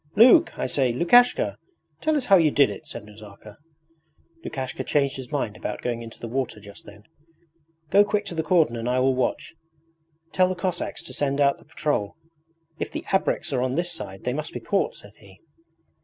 'Luke, I say, Lukashka! Tell us how you did it!' said Nazarka. Lukashka changed his mind about going into the water just then. 'Go quick to the cordon and I will watch. Tell the Cossacks to send out the patrol. If the ABREKS are on this side they must be caught,' said he.